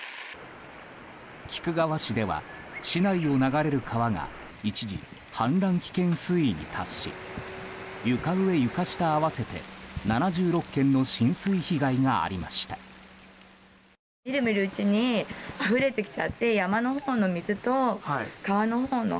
菊川市では市内を流れる川が一時、氾濫危険水位に達し床上・床下合わせて７６軒の浸水被害がありました。